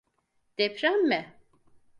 Deprem mi?